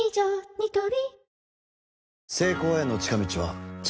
ニトリ